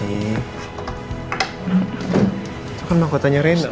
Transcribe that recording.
itu kan mahku tanya ren